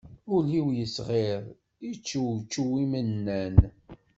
Ul-iw yettɣiḍ, yeččewčew imennan